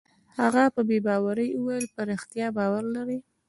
هغه په بې باورۍ وویل: په رښتیا باور لرې؟